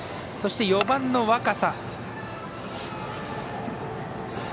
そして４番の若狭。